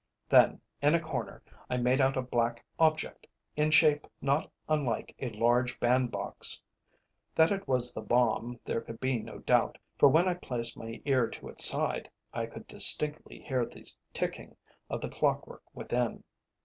Then, in a corner, I made out a black object, in shape not unlike a large band box. That it was the bomb there could be no doubt, for when I placed my ear to its side, I could distinctly hear the ticking of the clockwork within.